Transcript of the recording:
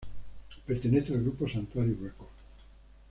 Pertenece al grupo Sanctuary Records.